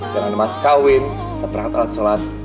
dengan emas kawin sepahat alat sholat